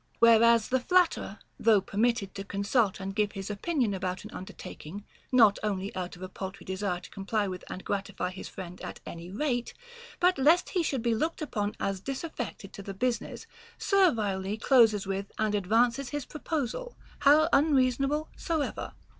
Whereas the flatterer, though permitted to consult and give his opinion about an under taking, not only out of a paltry desire to comply with and gratify his friend at any rate, but lest he should be looked upon as disaffected to the business, servilely closes with and advances his proposal, how unreasonable soever.